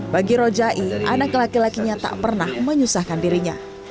bagi rojai anak laki lakinya tak pernah menyusahkan dirinya